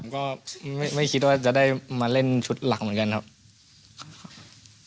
ก็ไม่คิดว่าจะได้มาเล่นชุดหลักเหมือนกันครับ